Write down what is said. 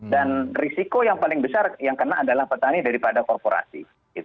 dan risiko yang paling besar yang kena adalah petani daripada korporasi